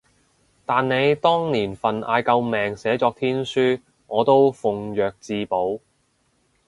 但你當年份嗌救命寫作天書，我都奉若至寶